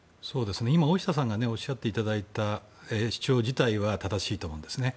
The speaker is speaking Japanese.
今、大下さんがおっしゃっていただいた主張自体は正しいと思うんですね。